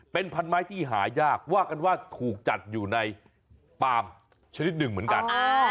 เป็นพันไม้ที่หายากว่ากันว่าถูกจัดอยู่ในปามชนิดหนึ่งเหมือนกัน